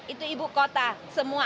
itu ibu kota semua